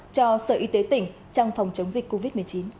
cho sở y tế tỉnh trong phòng chống dịch covid một mươi chín